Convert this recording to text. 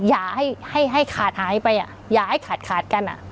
อย่าให้ให้ให้ขาดหายไปอ่ะอย่าให้ขาดขาดกันอ่ะ